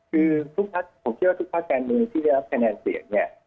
คือผมเชื่อทุกพักการเมินที่ได้รับคะแนนเสียง